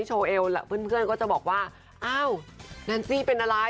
โชว์เอลเพื่อนก็จะบอกว่าอ้าวแนนซี่เป็นอะไร